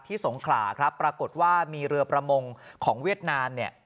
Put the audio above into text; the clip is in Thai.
สงขลาครับปรากฏว่ามีเรือประมงของเวียดนามเนี่ย